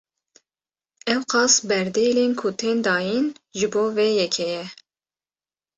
Ewqas berdêlên ku tên dayin, ji bo vê yekê ye